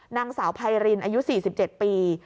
นางสาวไพรินอายุ๔๗ปี